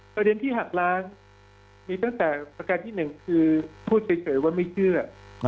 ประเด็นที่หักล้างมีตั้งแต่ประการที่๑คือพูดเฉยว่าไม่เชื่อ